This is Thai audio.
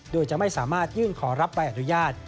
โดยจะไม่สามารถยื่นขอรับใบอนุญาต